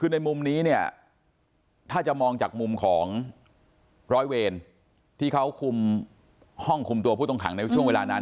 คือในมุมนี้เนี่ยถ้าจะมองจากมุมของร้อยเวรที่เขาคุมห้องคุมตัวผู้ต้องขังในช่วงเวลานั้น